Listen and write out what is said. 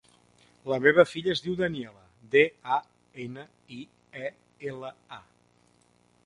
La meva filla es diu Daniela: de, a, ena, i, e, ela, a.